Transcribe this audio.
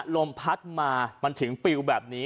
ลมพัดมามันถึงปิวแบบนี้